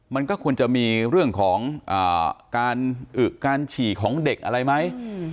มันก็ควรจะมีเรื่องของการอึกการฉี่ของเด็กอะไรไหม